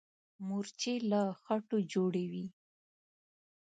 مورچې له خټو جوړې وي.